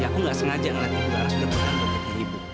ya aku gak sengaja ngeliatnya bularas udah ke dalam dompetnya ibu